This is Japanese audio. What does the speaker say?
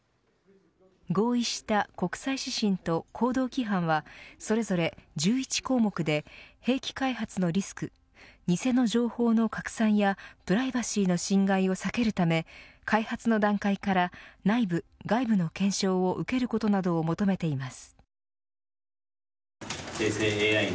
合意した国際指針と行動規範はそれぞれ１１項目で兵器開発のリスク偽の情報の拡散やプライバシーの侵害を避けるため、開発の段階から内部・外部の検証を受けることなどを求めています。